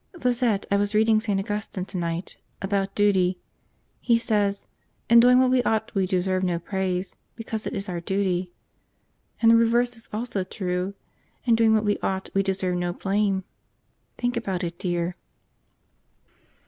"Lizette, I was reading St. Augustine tonight. About duty. He says, 'In doing what we ought we deserve no praise, because it is our duty.' And the reverse is also true. In doing what we ought we deserve no blame. Think about it, dear."